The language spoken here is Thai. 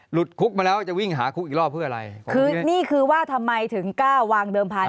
คุกมาแล้วจะวิ่งหาคุกอีกรอบเพื่ออะไรคือนี่คือว่าทำไมถึงกล้าวางเดิมพันธ